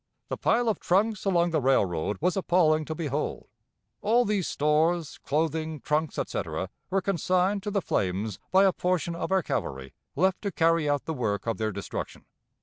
The pile of trunks along the railroad was appalling to behold. All these stores, clothing, trunks, etc., were consigned to the flames by a portion of our cavalry left to carry out the work of their destruction.